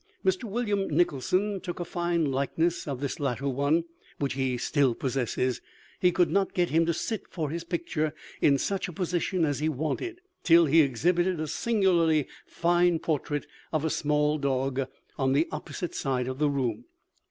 Mr. William Nicholson[O] took a fine likeness of this latter one, which he still possesses. He could not get him to sit for his picture in such a position as he wanted, till he exhibited a singularly fine portrait of a small dog, on the opposite side of the room.